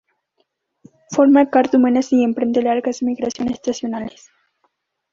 Forma cardúmenes y emprende largas migraciones estacionales.